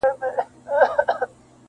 • چي ړندې کي غبرګي سترګي د اغیارو -